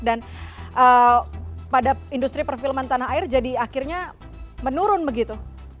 dan pada industri perfilman tanah air jadi akhirnya menurun begitu